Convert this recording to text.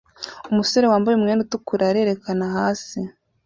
Umusore wambaye umwenda utukura arerekana hasi